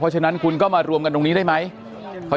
อ๋อเจ้าสีสุข่าวของสิ้นพอได้ด้วย